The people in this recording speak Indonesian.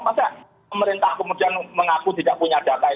masa pemerintah kemudian mengaku tidak punya data itu